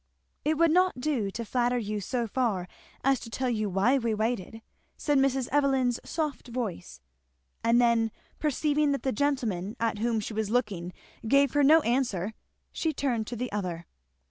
"It would not do to flatter you so far as to tell you why we waited," said Mrs. Evelyn's soft voice. And then perceiving that the gentleman at whom she was looking gave her no answer she turned to the other.